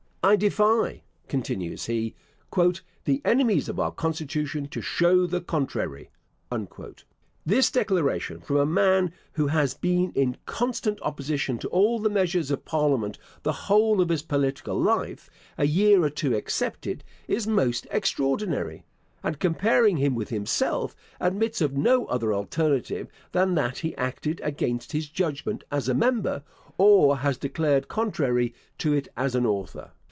"I defy," continues he, "the enemies of our constitution to show the contrary." This declaration from a man who has been in constant opposition to all the measures of parliament the whole of his political life, a year or two excepted, is most extraordinary; and, comparing him with himself, admits of no other alternative, than that he acted against his judgment as a member, or has declared contrary to it as an author.